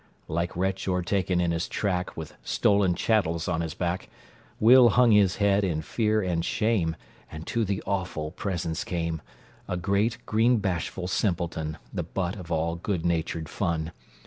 Like wretch o'ertaken in his track, With stolen chattels on his back, Will hung his head in fear and shame, And to the awful presence came A great, green, bashful simpleton, The butt of all good natured fun.